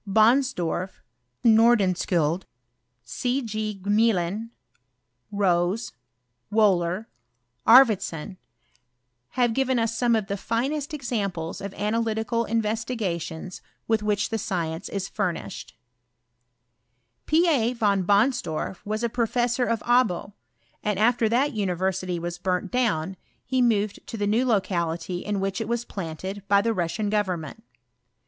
Bonsdorf, Nordenskiiild, C. G. Gmelin, Rose, Wbhler, Arfvedsou, have ^ivea us some of the finest examples of analytical MveEtigations with which the science is furnished. " P. A. Von Bonsdorf was a professor of Abo, and ^fter that university was burnt down, he moved to tfae new locality in which it was planted by the Russian government.